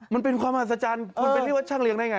มันเป็นความมหัศจรรย์คุณไปเรียกว่าช่างเลี้ยได้ไง